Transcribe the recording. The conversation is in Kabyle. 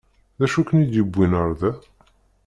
D acu i ken-id-yewwin ɣer da?